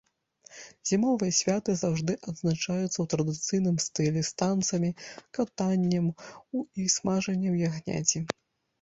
Зімовыя святы заўжды адзначаюцца ў традыцыйным стылі, з танцамі, катаннем у і смажаннем ягняці.